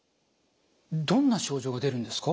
どんな症状が出るんですか？